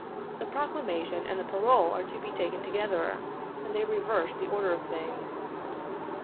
The proclamation and the parole are to be taken together, and they reverse the order of things.